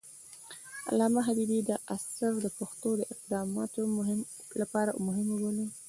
علامه حبيبي دا اثر د پښتو د قدامت لپاره مهم وباله.